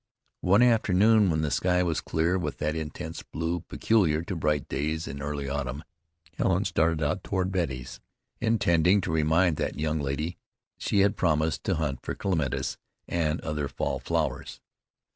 One afternoon when the sky was clear with that intense blue peculiar to bright days in early autumn, Helen started out toward Betty's, intending to remind that young lady she had promised to hunt for clematis and other fall flowers.